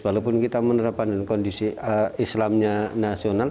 walaupun kita menerapkan kondisi islamnya nasional